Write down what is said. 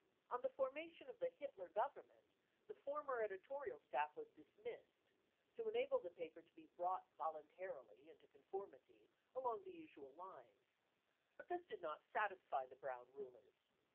On the formation of the Hitler Government the former editorial staff was dismissed, to enable the paper to be u brought voluntarily into conformity 33 along the usual lines. But this did not satisfy the Brown rulers.